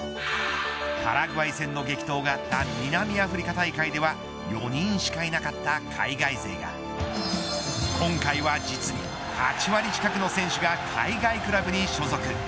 パラグアイ戦の激闘があった南アフリカ大会では４人しかいなかった海外勢が今回は実に、８割近くの選手が海外クラブに所属。